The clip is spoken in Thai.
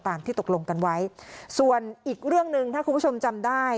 ที่ตกลงกันไว้ส่วนอีกเรื่องหนึ่งถ้าคุณผู้ชมจำได้